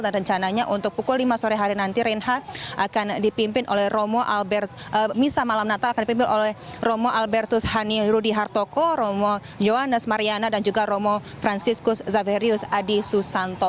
dan rencananya untuk pukul lima sore hari nanti renhat akan dipimpin oleh romo albertus hanirudi hartoko romo yohannes mariana dan juga romo franciscus zaverius adi susanto